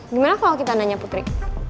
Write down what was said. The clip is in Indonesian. gimana kalau kita nanya putri